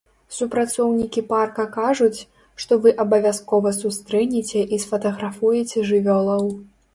Супрацоўнікі парка кажуць, што вы абавязкова сустрэнеце і сфатаграфуеце жывёлаў.